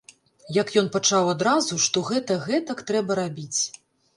Як ён пачаў адразу, што гэта гэтак трэба рабіць!